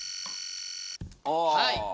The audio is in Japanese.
はい。